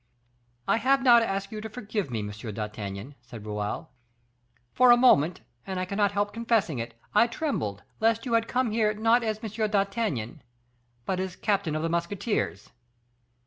"I have now to ask you to forgive me, Monsieur d'Artagnan," said Raoul. "For a moment, and I cannot help confessing it, I trembled lest you had come here, not as M. d'Artagnan, but as captain of the musketeers."